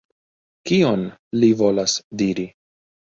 Kion li volas diri?